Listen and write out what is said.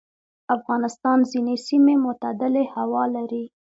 افغانستان ځینې سیمې معتدلې هوا لري.